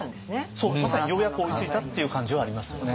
そうまさにようやく追いついたっていう感じはありますよね。